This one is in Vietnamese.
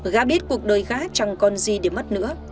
gá biết cuộc đời gá chẳng còn gì để mất nữa